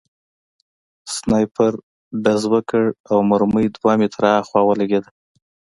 سنایپر ډز وکړ او مرمۍ دوه متره هاخوا ولګېده